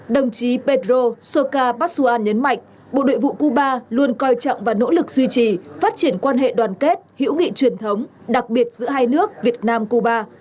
đồng chí pedro soka passoan nhấn mạnh bộ nội vụ cuba luôn coi trọng và nỗ lực duy trì phát triển quan hệ đoàn kết hữu nghị truyền thống đặc biệt giữa hai nước việt nam cuba